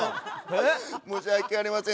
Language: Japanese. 申し訳ありません。